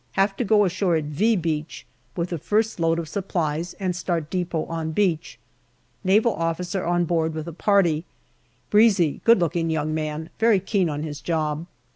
Have to go ashore at "V" Beach with the first load of supplies and start depot on beach. Naval officer on board with a party. Breezy, good looking young man, very keen on his job.